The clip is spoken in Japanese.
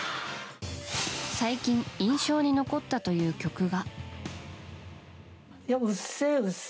最近、印象に残ったという曲が。